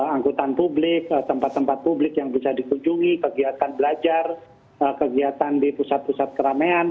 angkutan publik tempat tempat publik yang bisa dikunjungi kegiatan belajar kegiatan di pusat pusat keramaian